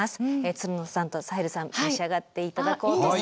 つるのさんとサヘルさん召し上がっていただこうと思います。